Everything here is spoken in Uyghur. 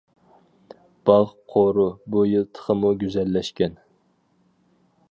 باغ قورۇ بۇ يىل تېخىمۇ گۈزەللەشكەن.